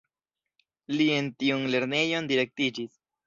Li en tiun lernejon direktiĝis.